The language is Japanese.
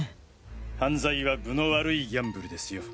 犯罪は分の悪いギャンブルですよ。